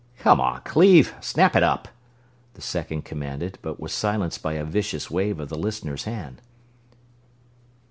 "Come on, Cleve snap it up!" the second commanded, but was silenced by a vicious wave of the listener's hand.